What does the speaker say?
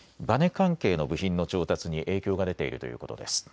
関係の部品の調達に影響が出ているということです。